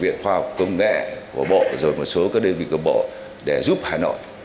viện khoa học công nghệ của bộ rồi một số các đơn vị của bộ để giúp hà nội